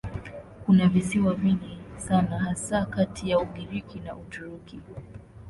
Kuna visiwa vingi sana hasa kati ya Ugiriki na Uturuki.